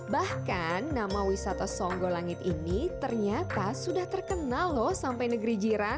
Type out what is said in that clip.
bahkan nama wisata songgolangit ini ternyata sudah terkenal loh sampai negeri jiran